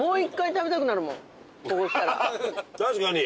確かに。